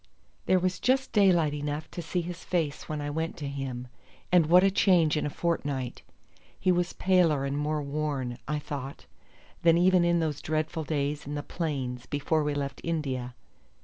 There was just daylight enough to see his face when I went to him; and what a change in a fortnight! He was paler and more worn, I thought, than even in those dreadful days in the plains before we left India.